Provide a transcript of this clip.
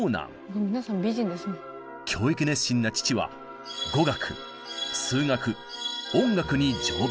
教育熱心な父は語学数学音楽に乗馬。